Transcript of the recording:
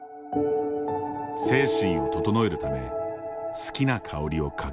精神を整えるため好きな香りを嗅ぐ。